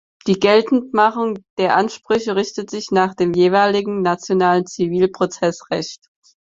Die Geltendmachung der Ansprüche richtet sich nach dem jeweiligen nationalen Zivilprozessrecht.